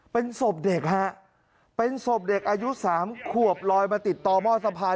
เป็นศพเด็กฮะเป็นศพเด็กอายุ๓ขวบลอยมาติดต่อหม้อสะพาน